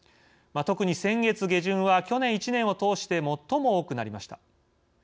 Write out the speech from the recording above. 特に先月下旬は去年１年を通して最も多くなりました。